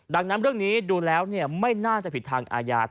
ดังนั้นเรื่องนี้ดูแล้วไม่น่าจะผิดทางอาญา